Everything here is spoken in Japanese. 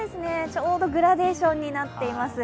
ちょうどグラデーションになっています。